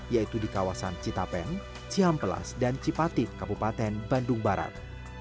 yaitu di kawasan citapen cihampelas dan cipatik kabupaten bandung barat